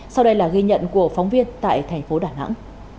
sau đây là ghi nhận của phóng viên tại thành phố đà nẵng